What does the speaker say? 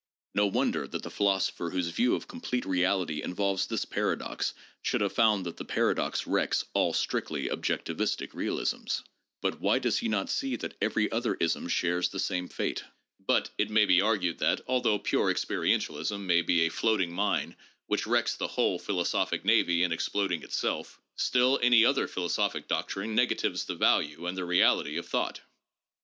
No wonder that the philosopher whose view of complete reality involves this paradox should have found that the paradox wrecks " all strictly objectivistic realisms." But why does he not see that every other ism shares the same fate ? 1 Studies in Logical Theory, p. 52. 278 THE PHILOSOPHICAL REVIEW. [Vol. XVI. But it may be argued that, although pure experientialism may be a floating mine which wrecks the whole philosophic navy in exploding itself, still any other philosophic doctrine negatives the value and the reality of thought.